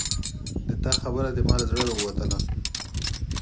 د تا خبره زما له زړه راووتله